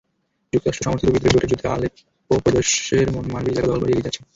যুক্তরাষ্ট্র-সমর্থিত বিদ্রোহী জোটের যোদ্ধারা আলেপ্পো প্রদেশের মানবিজ এলাকা দখল করে এগিয়ে যাচ্ছে।